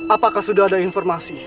apakah sudah ada informasi